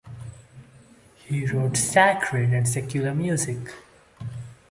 He wrote sacred and secular music.